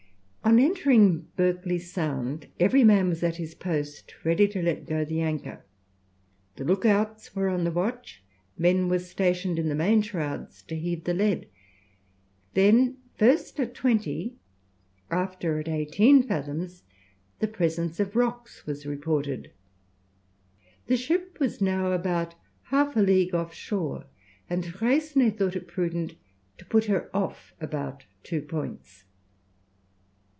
On entering Berkeley Sound, every man was at his post, ready to let go the anchor. The look outs were on the watch, men were stationed in the main shrouds to heave the lead. Then first at twenty, after at eighteen fathoms, the presence of rocks was reported. The ship was now about half a league off shore, and Freycinet thought it prudent to put her off about two points.